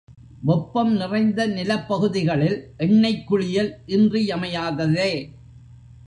வெப்பம் நிறைந்த நிலப்பகுதிகளில் எண்ணெய்க் குளியல் இன்றியமையாததே.